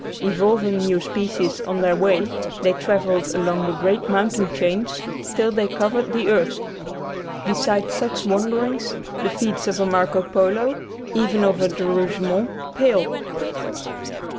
Evolving new species on their way, they travelled along the great mountain chains till they covered the earth. Beside such wanderings the feats of a Marco Polo, even of a De Rougemont, pale.